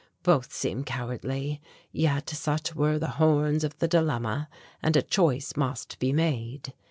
Both seemed cowardly yet such were the horns of the dilemma and a choice must be made.